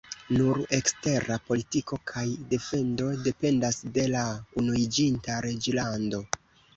Nur ekstera politiko kaj defendo dependas de la Unuiĝinta Reĝlando.